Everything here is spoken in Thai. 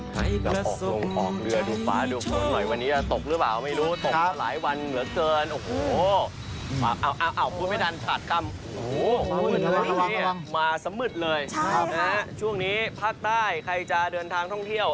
ให้กล่องใครประสงค์ให้โชคดี